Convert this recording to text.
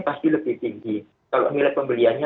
pasti lebih tinggi kalau nilai pembeliannya